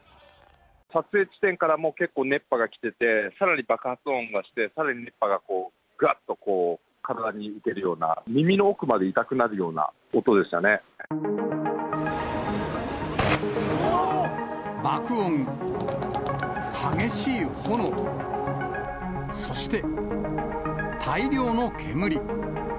撮影地点からもう結構熱波が来てて、さらに爆発音がして、さらに熱波がこう、ぐわっとこう、体に受けるような、耳の奥まで痛爆音、激しい炎、そして、大量の煙。